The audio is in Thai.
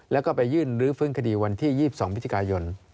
แล้วก็ไปยื่นลื้อฟื้นคดีวันที่๒๒พฤศจิกายน